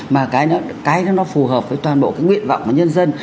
mà cái cho nó phù hợp với toàn bộ cái nguyện vọng của nhân dân